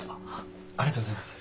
ありがとうございます。